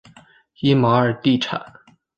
伊玛尔地产。